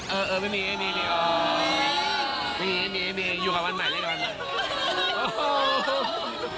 เออเออไม่มีไม่มีไม่มีอยู่กับวันใหม่เล่นกับวันใหม่